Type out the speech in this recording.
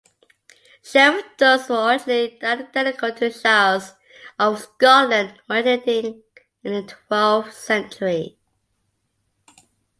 Sheriffdoms were originally identical to the shires of Scotland, originating in the twelfth century.